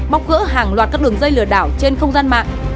bóc gỡ hàng loạt các đường dây lừa đảo trên không gian mạng